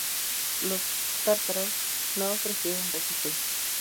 Los tártaros no ofrecieron resistencia.